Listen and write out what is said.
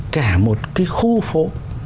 cả một cái khu phố